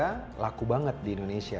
karena laku banget di indonesia